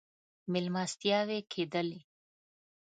مېلمستیاوې کېدلې.